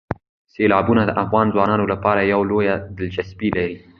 سیلابونه د افغان ځوانانو لپاره یوه لویه دلچسپي لري.